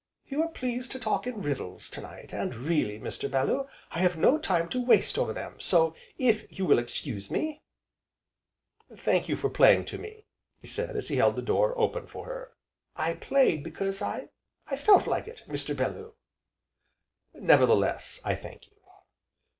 "You are pleased to talk in riddles, to night, and really, Mr. Bellew, I have no time to waste over them, so, if you will excuse me " "Thank you for playing to me," he said, as he held the door open for her. "I played because I I felt like it, Mr. Bellew." "Nevertheless, I thank you."